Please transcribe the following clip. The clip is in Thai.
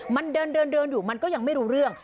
มันเดินอยู่มันก็ยังไม่รู้เรื่อง